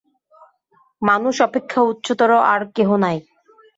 মানুষ অপেক্ষা উচ্চতর আর কেহ নাই।